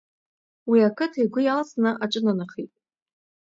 Уи, ақыҭа агәы иалсны, аҿынанахеит.